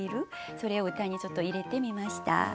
それを歌にちょっと入れてみました。